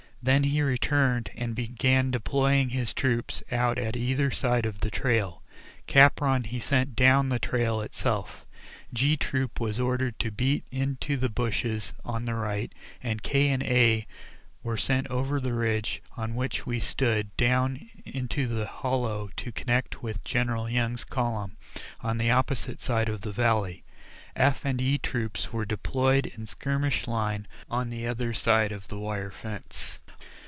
Then he returned, and began deploying his troops out at either side of the trail. Capron he sent on down the trail itself. G Troop was ordered to beat into the bushes on the right, and K and A were sent over the ridge on which we stood down into the hollow to connect with General Young's column on the opposite side of the valley. F and E Troops were deployed in skirmish line on the other side of the wire fence.